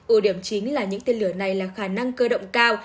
ưu điểm chính là những tên lửa này là khả năng cơ động cao